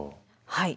はい。